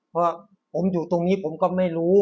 เพราะผมอยู่ตรงนี้ผมก็ไม่รู้